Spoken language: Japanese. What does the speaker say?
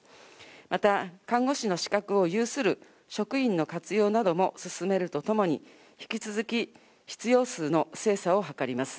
また看護師の資格を有する職員の活用なども進めるとともに、引き続き必要数の精査を図ります。